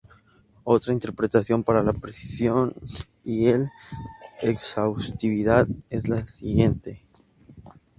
Otra interpretación para la precisión y el exhaustividad es la siguiente.